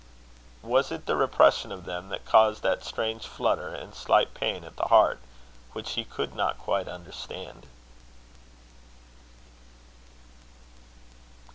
Was it the repression of them that caused that strange flutter and slight pain at the heart, which he could not quite understand?